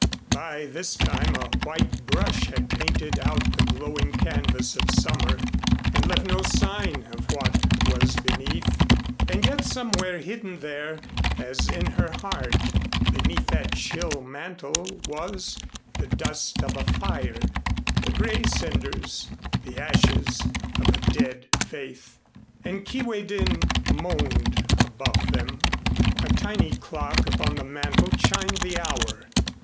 By this time a white brush had painted out the glowing canvas of summer and left no sign of what was beneath. And yet somewhere hidden there, as in her heart, beneath that chill mantle was the dust of a fire the gray cinders, the ashes of a dead faith, and Kee way din moaned above them. A tiny clock upon the mantle chimed the hour.